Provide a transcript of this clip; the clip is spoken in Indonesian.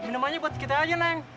minumannya buat kita aja neng